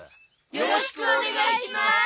よろしくお願いします。